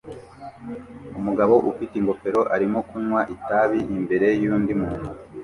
Umugabo ufite ingofero arimo kunywa itabi imbere yundi muntu